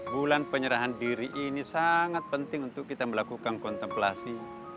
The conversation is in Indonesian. bulan penyerahan diri ini sangat penting untuk kita melakukan kontemplasi